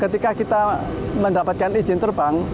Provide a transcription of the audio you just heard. ketika kita mendapatkan izin terbang